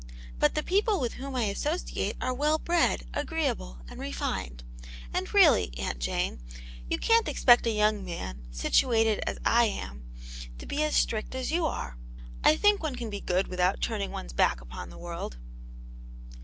But the people with whom I associate are well bred, agreeable, and refined. And really. Aunt Jane, you can't expect a young man, situated as I am, to be as strict as you are. I think one can be good without turning one's back upon the world."